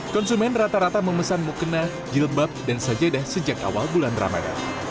konsumen rata rata memesan mukena jilbab dan sajadah sejak awal bulan ramadan